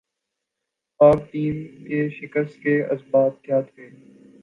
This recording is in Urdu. پاک ٹیم کے شکستہ کے اسباب کیا تھے